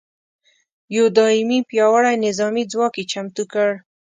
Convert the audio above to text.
یو دایمي پیاوړي نظامي ځواک یې چمتو کړ.